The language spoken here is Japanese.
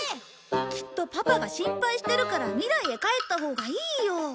きっとパパが心配してるから未来へ帰ったほうがいいよ。